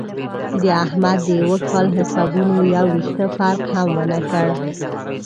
د احمد د یوه کال حسابونو یو وېښته فرق هم ونه کړ.